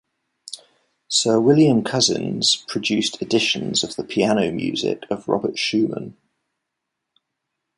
Sir William Cusins produced editions of the piano music of Robert Schumann.